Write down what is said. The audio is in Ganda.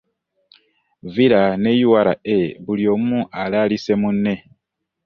Villa ne URA buli omu alaalise munne.